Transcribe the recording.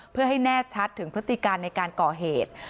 เพื่อให้แน่ชัดถึงพฤติการในการก่อเหตุ